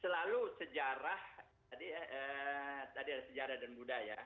selalu sejarah tadi ada sejarah dan budaya